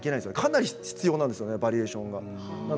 かなり必要なんですよねバリエーションが。